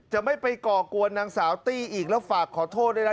จะไม่ไปก่อกวนนางสาวตี้อีกแล้วฝากขอโทษด้วยนะ